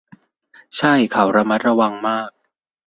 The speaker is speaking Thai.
ใช่ เขาระมัดระวังมาก